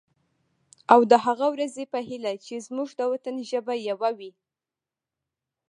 او د هغه ورځې په هیله چې زمونږ د وطن ژبه یوه وي.